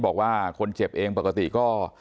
บอกว่าคนเจ็บเองปกติก็